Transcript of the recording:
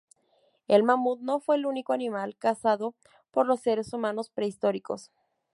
El mamut no fue el único animal cazado por los seres humanos prehistóricos.